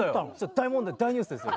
大問題大ニュースですよ